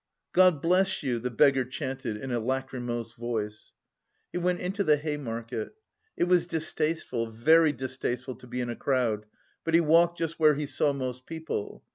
"God bless you," the beggar chanted in a lachrymose voice. He went into the Hay Market. It was distasteful, very distasteful to be in a crowd, but he walked just where he saw most people.